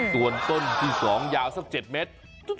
ส่วนต้นที่๒ยาวสัก๗เมตร